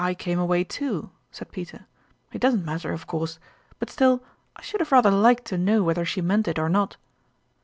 "/ came away, too," said Peter. " It doesn't matter, of course ; but still I should have rather liked to know whether she meant it or not."